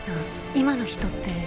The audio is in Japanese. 今の人って。